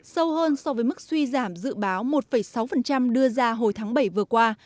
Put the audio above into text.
sâu hơn so với mức suy giảm dự báo một sáu đưa ra hồi tháng bảy vừa qua